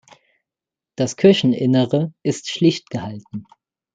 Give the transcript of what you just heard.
Das Kircheninnere ist schlicht gehalten.